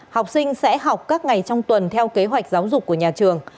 học sinh sẽ học các ngày trong tuần theo kế hoạch giáo dục của nhà trường